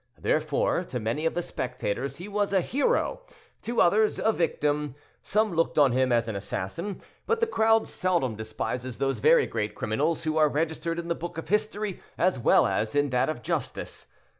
Therefore, to many of the spectators, he was a hero; to others, a victim; some looked on him as an assassin; but the crowd seldom despises those very great criminals who are registered in the book of history as well as in that of justice.